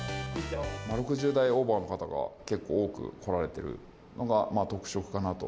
６０代オーバーの方が結構多く来られてるのが特色かなと。